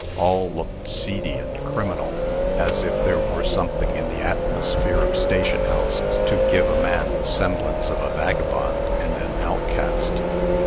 All looked seedy and criminal, as if there were something in the atmosphere of station houses to give a man the semblance of a vagabond and an outcast.